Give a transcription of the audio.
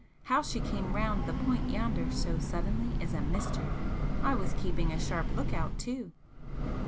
How she came round the point yonder so suddenly is a mystery! I was keeping a sharp look out, too."